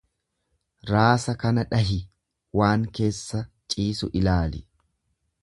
Raasa kana dhahi waan keessa ciisu ilaali.